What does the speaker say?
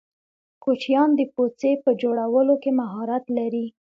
کوچیان د پوڅې په جوړولو کی مهارت لرې.